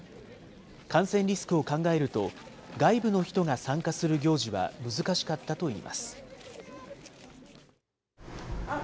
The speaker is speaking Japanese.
感染リスクを考えると、外部の人が参加する行事は難しかったといいます。